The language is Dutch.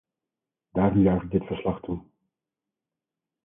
Daarom juich ik dit verslag toe.